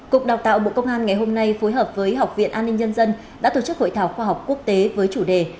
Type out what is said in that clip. cục đào tạo bộ công an ngày hôm nay phối hợp với học viện an ninh nhân dân đã tổ chức hội thảo khoa học quốc tế với chủ đề